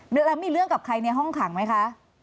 แล้วมีเรื่องกับใครในห้องขังไหมคะ